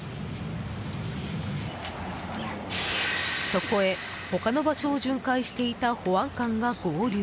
そこへ他の場所を巡回していた保安官が合流。